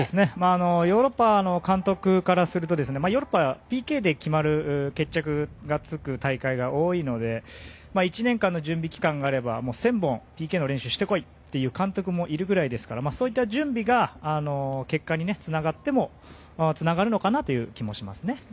ヨーロッパの監督からするとヨーロッパはＰＫで決着がつく大会が多いので１年間の準備期間があれば１０００本ＰＫの練習をして来いという監督もいるぐらいですからそういった準備が結果につながるのかなという気もしますね。